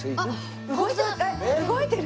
動いてる！